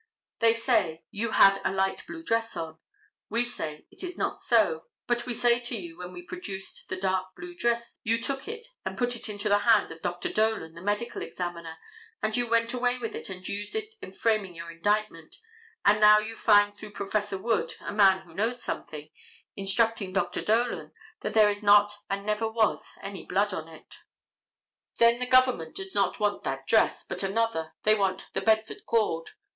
They say, "You had a light blue dress on." We say it is not so, but we say to you when we produced the dark blue dress you took it and put into the hands of Dr. Dolan, the medical examiner, and you went away with it and used it in framing your indictment, and now you find through Prof. Wood, a man who knows something, instructing Dr. Dolan, that there is not and never was any blood on it. [Illustration: CHIEF JUSTICE MASON.] Then the government does not want that dress, but another. They want the bedford cord.